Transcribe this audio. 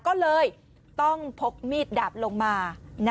ก็เลยต้องพกมีดดาบลงมา